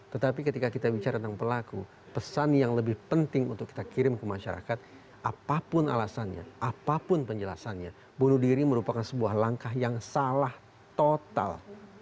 tetapi ketika kita bicara tentang pelaku pesan yang lebih penting untuk kita kirim ke masyarakat apapun alasannya apapun penjelasannya bunuh diri merupakan sebuah langkah yang salah total